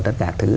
tất cả thứ